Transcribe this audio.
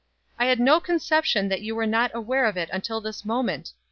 "I had no conception that you were not aware of it until this moment.